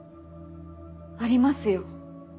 ありますよ。